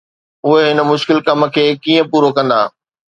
اهي هن مشڪل ڪم کي ڪيئن پورو ڪندا؟